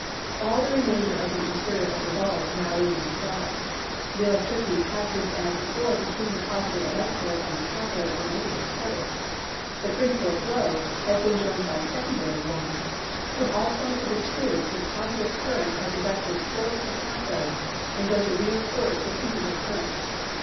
All the remainder of the interior of the bulb now remains dark. The electricity passes as before between the positive electrode and the cathode or negative po le. The principal flow has been joined by a secondary one; from 16 PHYSICS all points of the tube the positive currents are directed toward the cathode and go to reinforce the principal cur rent.